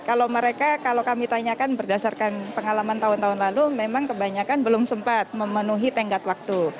kalau mereka kalau kami tanyakan berdasarkan pengalaman tahun tahun lalu memang kebanyakan belum sempat memenuhi tenggat waktu